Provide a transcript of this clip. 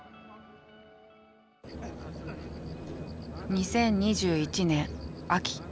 ２０２１年秋。